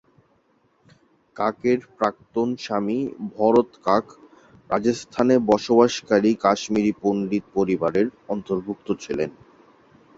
কাকের প্রাক্তন স্বামী ভরত কাক রাজস্থানে বসবাসকারী কাশ্মীরি পণ্ডিত পরিবারের অন্তর্ভুক্ত ছিলেন।